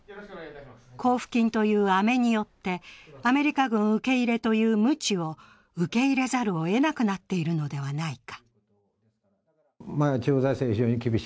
交付金というあめによって、アメリカ軍受け入れというムチを受け入れざるをえなくなっているのではないか。